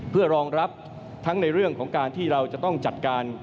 เพื่อรองรับทั้งในเรื่องของการที่เราจะต้องจัดการ